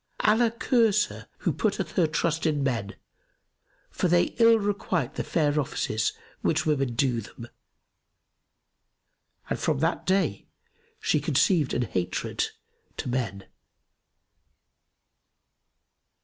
Allah curse her who putteth her trust in men, for they ill requite the fair offices which women do them!' And from that day she conceived an hatred to men."